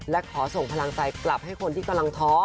และขอส่งพลังใจกลับให้คนที่กำลังท้อ